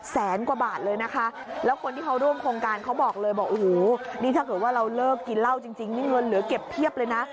แสนกว่าบาทเลยนะคะแล้วคนที่เขาร่วมโครงการเขาบอกเลยบอกโอ้โหนี่ถ้าเกิดว่าเราเลิกกินเหล้าจริงนี่เงินเหลือเก็บเพียบเลยนะ